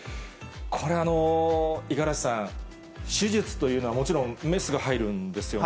これ、五十嵐さん、手術というのはもちろん、メスが入るんですよね。